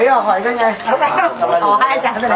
อ๋อหอยหอยค่ะไง